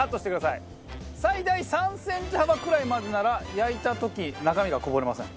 最大３センチ幅くらいまでなら焼いた時中身がこぼれません。